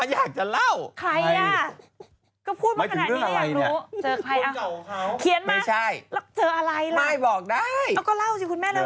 แล้วเกี่ยวอะไรอ่ะ